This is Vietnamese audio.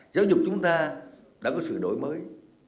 giáo dục chúng ta đã có sự đổi mới